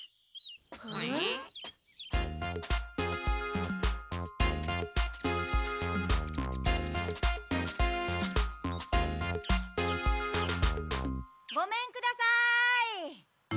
えっ？ごめんください！